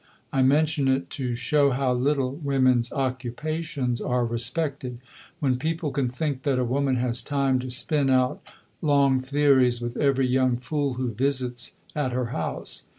I mention it to show how little women's occupations are respected, when people can think that a woman has time to spin out long theories with every young fool who visits at her house.